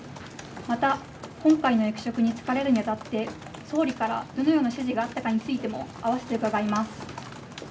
また、今回の役職に就かれるにあたって、総理からどのような指示があったかについても、併せて伺います。